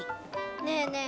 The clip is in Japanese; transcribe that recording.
ねえねえ